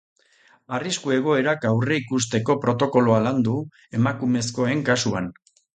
Arrisku egoerak aurreikusteko protokoloa landu, emakumezkoen kasuan.